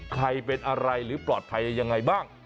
ใครเป็นอะไรหรือปลอดภัยยังไงบ้าง